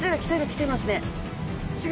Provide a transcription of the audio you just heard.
きてますね。